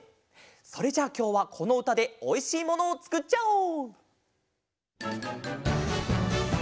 それじゃあきょうはこのうたでおいしいものをつくっちゃおう！